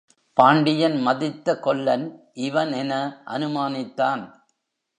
பாண்டியன் மதித்த கொல்லன் இவன் என அனுமானித்தான்.